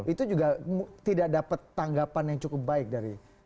itu juga tidak dapat tanggapan yang cukup baik dari